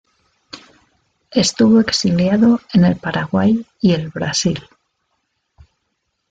Estuvo exiliado en el Paraguay y el Brasil.